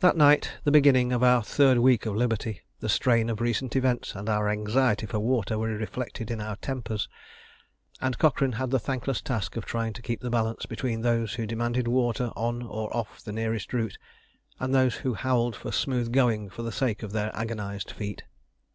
That night, the beginning of our third week of liberty, the strain of recent events and our anxiety for water were reflected in our tempers, and Cochrane had the thankless task of trying to keep the balance between those who demanded water on or off the nearest route, and those who howled for smooth going for the sake of their agonised feet.